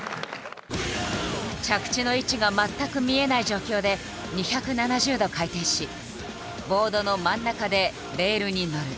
着地の位置が全く見えない状況で２７０度回転しボードの真ん中でレールに乗る。